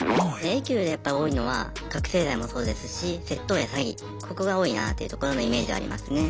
Ａ級でやっぱ多いのは覚醒剤もそうですし窃盗や詐欺ここが多いなというところのイメージはありますね。